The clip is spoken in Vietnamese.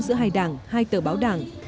giữa hai đảng hai tờ báo đảng